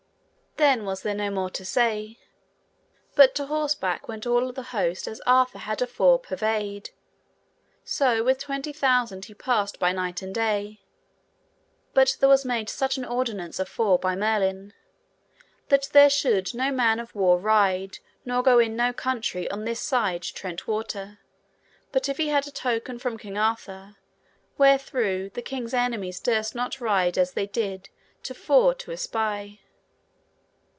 Then was there no more to say, but to horseback went all the host as Arthur had afore purveyed. So with twenty thousand he passed by night and day, but there was made such an ordinance afore by Merlin, that there should no man of war ride nor go in no country on this side Trent water, but if he had a token from King Arthur, where through the king's enemies durst not ride as they did to fore to espy.